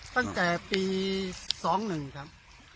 ตั้งแต่ปี๒๑ครับ